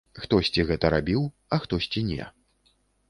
Хтосьці гэта рабіў, а хтосьці не.